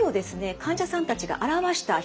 患者さんたちが表した表現